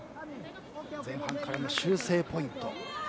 前半からの修正ポイント。